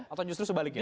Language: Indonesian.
atau justru sebaliknya